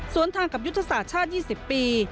ส่วนทางกับยุทธศาสตร์ชาติ๒๐ปี